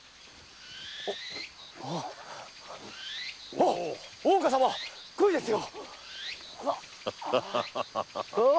おう大岡様コイですよ。